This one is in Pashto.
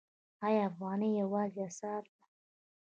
آیا افغانۍ یوازینۍ اسعار ده؟